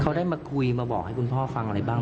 เขาได้มาคุยมาบอกให้คุณพ่อฟังอะไรบ้าง